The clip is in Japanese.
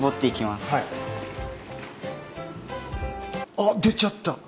あっ出ちゃった。